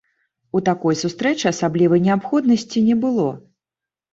У такой сустрэчы асаблівай неабходнасці не было.